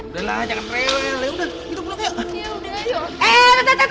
udahlah jangan rewel yaudah